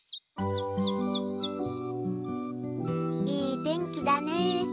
いい天気だね。